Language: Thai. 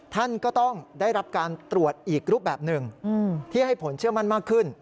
ท่านก็ต้องได้รับการตรวจอีกรูปแบบหนึ่งที่ให้ผลเชื่อมั่นมากขึ้น